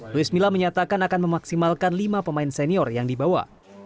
luis mila menyatakan akan memaksimalkan lima pemain senior yang dibawa